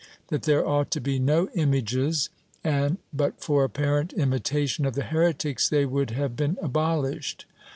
— That there ought to be no images and, but for apparent imitation of the heretics, they would have been abolished.